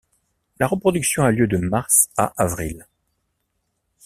La reproduction a lieu de mars à avril.